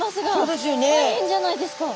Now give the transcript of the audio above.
大変じゃないですか！